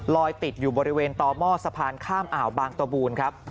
ติดอยู่บริเวณต่อหม้อสะพานข้ามอ่าวบางตะบูนครับ